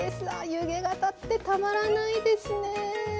湯気が立ってたまらないですね。